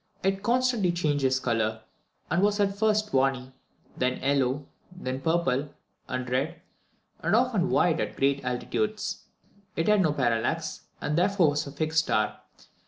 It constantly changed its colour, and was at first tawny, then yellow, then purple and red, and often white at great altitudes. It had no parallax, and therefore was a fixed star.